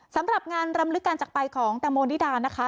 สำหรับงานรำลึกการจักรไปของแตงโมนิดานะคะ